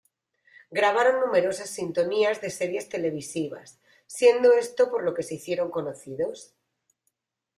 Grabaron numerosas sintonías de series televisivas, siendo esto por lo que se hicieron conocidos.